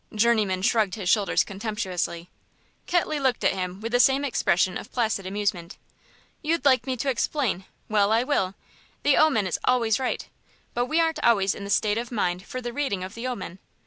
Journeyman shrugged his shoulders contemptuously. Ketley looked at him with the same expression of placid amusement. "You'd like me to explain; well, I will. The omen is always right, but we aren't always in the state of mind for the reading of the omen.